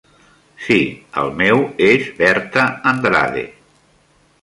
Sí, el meu és Berta Andrade.